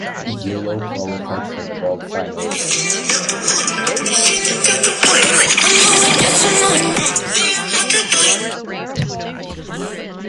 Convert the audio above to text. Yulo qualified for the vault finals.